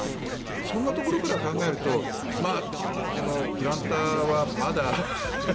そんなところから考えるとこのプランターはまだ。